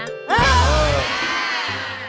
เฮ้ย